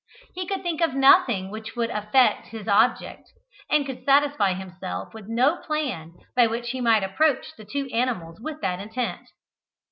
He could think of nothing which would effect his object, and could satisfy himself with no plan by which he might approach the two animals with that intent.